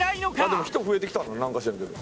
でも人増えてきたななんか知らんけど。